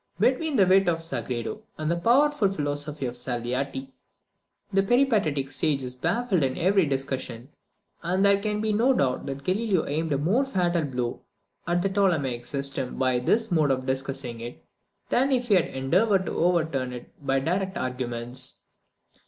Between the wit of Sagredo, and the powerful philosophy of Salviati, the peripatetic sage is baffled in every discussion; and there can be no doubt that Galileo aimed a more fatal blow at the Ptolemaic system by this mode of discussing it, than if he had endeavoured to overturn it by direct arguments.